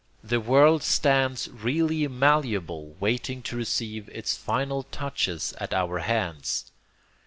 The world stands really malleable, waiting to receive its final touches at our hands.